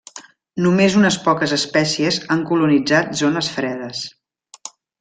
Només unes poques espècies han colonitzat zones fredes.